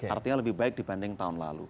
artinya lebih baik dibanding tahun lalu